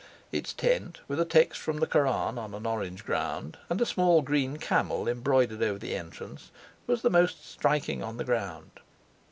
Its tent, with a text from the Koran on an orange ground, and a small green camel embroidered over the entrance, was the most striking on the ground.